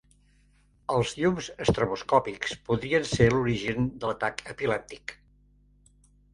Els llums estroboscòpics podrien ser l'origen de l'atac epilèptic.